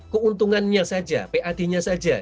keuntungannya saja pad nya saja